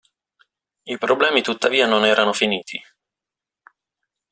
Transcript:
I problemi tuttavia non erano finiti.